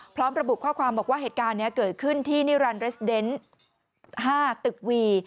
พร้อมระบุข้อความบอกว่าเหตุการณ์นี้เกิดขึ้นที่นิรันดิเรสเดน๕ตึกวี